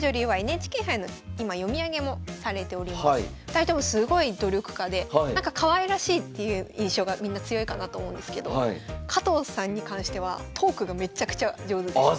２人ともすごい努力家でなんかかわいらしいっていう印象がみんな強いかなと思うんですけど加藤さんに関してはトークがめっちゃくちゃ上手です。